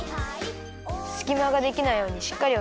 すきまができないようにしっかりおさえてね。